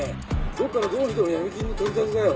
どっからどう見てもヤミ金の取り立てだよ。